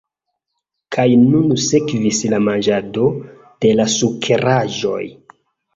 Kaj nun sekvis la manĝado de la sukeraĵoj.